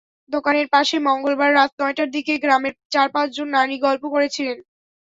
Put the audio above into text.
দোকানের পাশে মঙ্গলবার রাত নয়টার দিকে গ্রামের চার-পাঁচজন নারী গল্প করছিলেন।